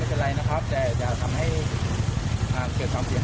ไปสั่งให้เขาไปให้เขาไปดำเนินการเอง